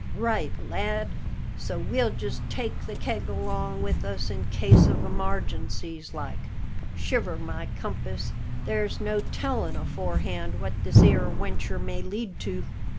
"Right, lad; so we'll just take the keg along with us in case of emargencies like. Shiver my compass, there's no telling aforehand what this 'ere wenture may lead to."